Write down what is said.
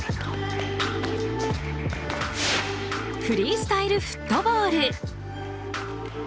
フリースタイルフットボール。